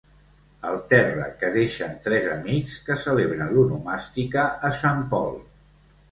El terra que deixen tres amics que celebren l'onomàstica a Sant Pol.